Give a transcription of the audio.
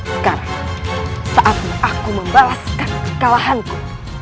sekarang saatnya aku membalaskan kekalahanku